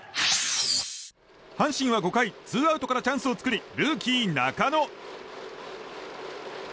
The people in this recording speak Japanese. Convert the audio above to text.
阪神は５回ツーアウトからチャンスを作りルーキー、中野。